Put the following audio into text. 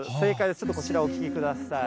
ちょっとこちら、お聴きください。